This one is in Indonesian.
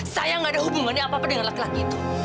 saya nggak ada hubungannya apa apa dengan laki laki itu